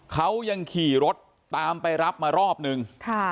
เขายังขี่รถตามไปรับมารอบนึง